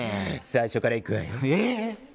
最初から行くわよ。